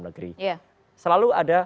negeri ya selalu ada